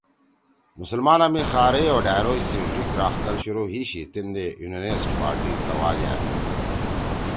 مسلمانا می خاریئی او ڈھأروش سی ڙھیِک راخکل شروع ہی شی تیندے یونینسٹ پارٹی سواگأ